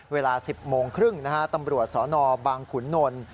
เวลา๑๐โมงครึ่งนะฮะตำรวจสนบางขุนนล